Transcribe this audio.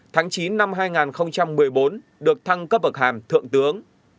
tháng chín năm hai nghìn một mươi bốn được thăng cấp bậc hàm thượng tướng